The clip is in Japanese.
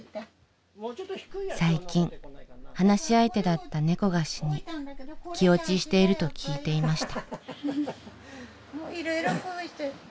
最近話し相手だった猫が死に気落ちしていると聞いていました。